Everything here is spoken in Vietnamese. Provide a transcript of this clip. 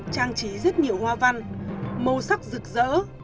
trang trí rất nhiều hoa văn màu sắc rực rỡ